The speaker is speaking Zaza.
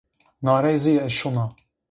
Na rey zî ez şona